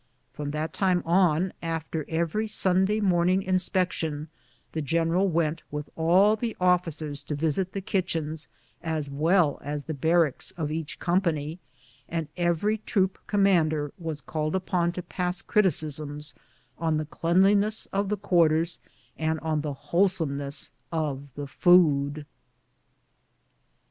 From that time on, after ev ery Sunday morning inspection, the general went with all the officers to visit the kitchens, as well as the bar racks of each company, and every troop commander was called upon to pass criticisms on the cleanliness of the quarters and the wholesomeness of the food.